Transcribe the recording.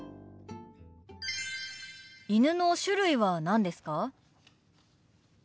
犬の種類は何ですか？